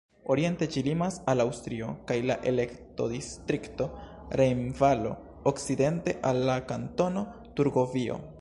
Oriente ĝi limas al Aŭstrio kaj la elektodistrikto Rejnvalo, okcidente al la Kantono Turgovio.